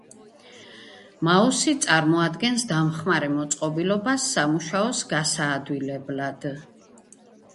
მაუსი წარმოადგენს დამხმარე მოწყობილობას სამუშაოს გასაადვილებლად